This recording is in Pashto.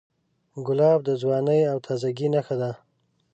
ګلاب د ځوانۍ او تازهګۍ نښه ده.